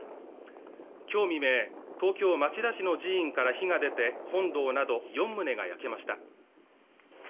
今日未明、東京・町田市の寺院から火が出て本堂など４棟が焼けました。